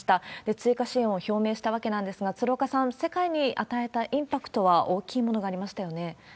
追加支援を表明したわけなんですが、鶴岡さん、世界に与えたインパクトは大きいものがありましたよね。